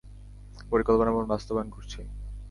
পরিকল্পনা এবং বাস্তবায়ন করেছি।